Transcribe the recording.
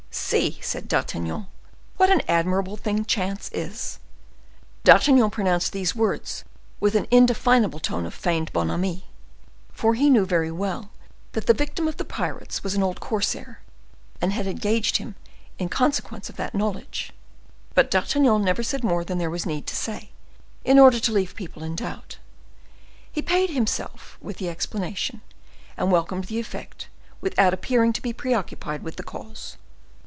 "See," said D'Artagnan, "what an admirable thing chance is!" D'Artagnan pronounced these words with an indefinable tone of feigned bonhomie, for he knew very well that the victim of the pirates was an old corsair, and had engaged him in consequence of that knowledge. But D'Artagnan never said more than there was need to say, in order to leave people in doubt. He paid himself with the explanation, and welcomed the effect, without appearing to be preoccupied with the cause.